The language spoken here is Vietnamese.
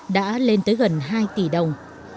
đến gần hai tỷ đồng